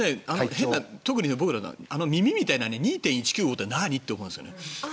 特に僕らあの耳みたいな．１９５ｋｍって何？って思うんですよ。